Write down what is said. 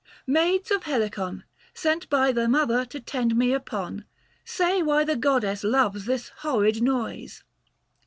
" Maids of Helicon, Sent by the mother to tend me upon, 215 Say why the goddess loves this horrid noise